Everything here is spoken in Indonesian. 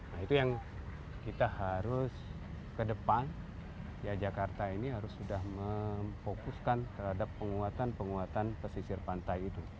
nah itu yang kita harus ke depan ya jakarta ini harus sudah memfokuskan terhadap penguatan penguatan pesisir pantai itu